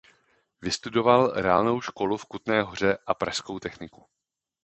Vystudoval reálnou školu v Kutné Hoře a pražskou techniku.